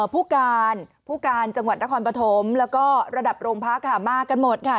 ผู้การผู้การจังหวัดนครปฐมแล้วก็ระดับโรงพักค่ะมากันหมดค่ะ